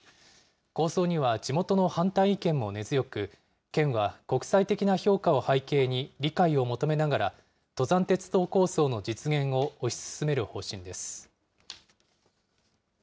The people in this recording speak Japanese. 構想には地元の反対意見も根強く、県は国際的な評価を背景に理解を求めながら、登山鉄道構想の実現を推し進める方針です。